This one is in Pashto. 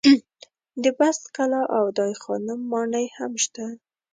د بست کلا او دای خانم ماڼۍ هم شته.